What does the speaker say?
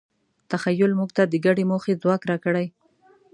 تخیل موږ ته د ګډې موخې ځواک راکړی.